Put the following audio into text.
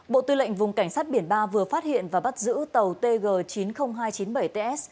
bộ tư lệnh vùng cảnh sát biển ba vừa phát hiện và bắt giữ tàu tg chín mươi nghìn hai trăm chín mươi bảy ts